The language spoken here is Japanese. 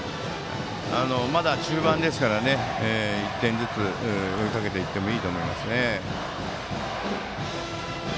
まだ、中盤ですから１点ずつ追いかけていってもいいと思いますね。